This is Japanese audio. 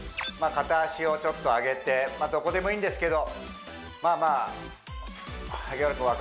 片足をちょっと上げてどこでもいいんですけどまあまあ萩原君